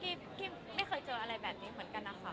กี้ยังไม่ทราบกี้ไม่เคยเจออะไรแบบนี้เหมือนกันนะคะ